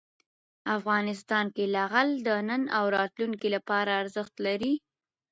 افغانستان کې لعل د نن او راتلونکي لپاره ارزښت لري.